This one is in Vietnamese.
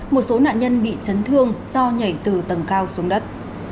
một số nạn nhân bị chấn thương do nhảy từ tầng cao xuống đất